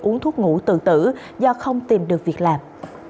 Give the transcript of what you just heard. uống thuốc ngủ tự tử do không tìm được việc làm